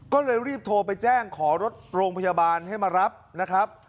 ก็เลยรีบโทรไปแจ้งขอรถโรงพยาบาลให้มารับนะครับ